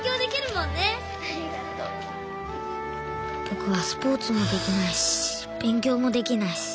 ぼくはスポーツもできないしべん強もできないし。